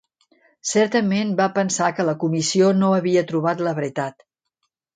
Certament va pensar que la Comissió no havia trobat la veritat.